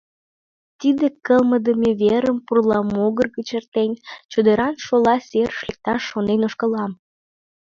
Тиде кылмыдыме верым пурла могыр гыч эртен, чодыран шола серыш лекташ шонен ошкылам.